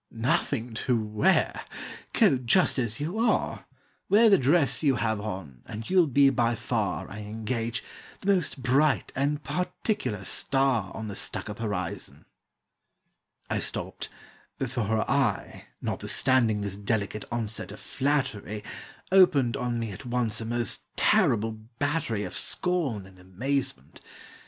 "Nothing to wear! go just as you are; Wear the dress you have on, and you'll be by far, I engage, the most bright and particular star On the Stuckup horizon " I stopped for her eye, Notwithstanding this delicate onset of flattery, Opened on me at once a most terrible battery Of scorn and amazement.